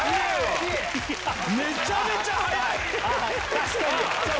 確かに！